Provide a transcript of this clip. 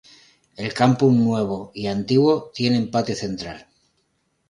El campus nuevo y antiguo tienen patio central.